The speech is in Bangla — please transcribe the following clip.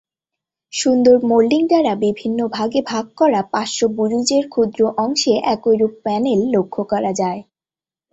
সুন্দর মোল্ডিং দ্বারা বিভিন্নভাগে ভাগ করা পার্শ্ববুরুজের ক্ষুদ্র অংশে একইরূপ প্যানেল লক্ষ্য করা যায়।